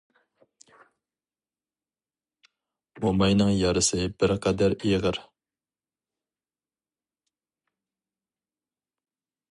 موماينىڭ يارىسى بىر قەدەر ئېغىر.